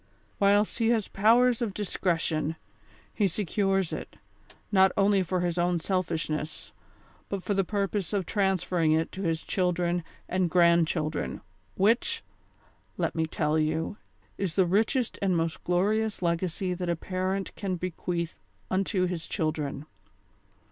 Whilst he has powers of discretion, he secures it, not only for his own selfishness, but for the purpose of transferring it to his children and grand children, which, let me tell you, is the richest and most glorious legacy that a parent can bequeath unto his children.